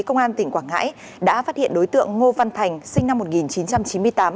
công an tỉnh quảng ngãi đã phát hiện đối tượng ngô văn thành sinh năm một nghìn chín trăm chín mươi tám